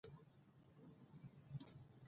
اجمل يو ګېر سړی